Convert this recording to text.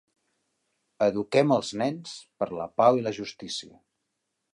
Eduquem als nens per la pau i la justícia.